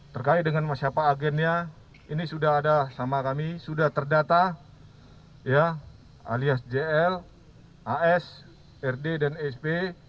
terkait dengan siapa agennya ini sudah ada sama kami sudah terdata alias jl as rd dan sp